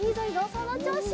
そのちょうし。